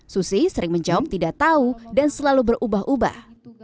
susi sering menjawab tidak tahu dan selalu berubah ubah